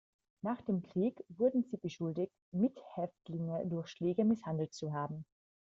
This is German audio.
Nach dem Krieg wurde sie beschuldigt, Mithäftlinge durch Schläge misshandelt zu haben.